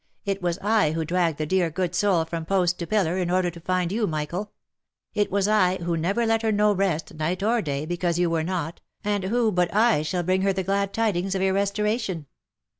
It was I who dragged the dear good soul from post to pillar, in order to find you, Michael. — It was I who never let her know rest, night nor day, because you were not, and who but I shall bring her the glad tidings of your restoration